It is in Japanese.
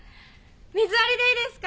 水割りでいいですか？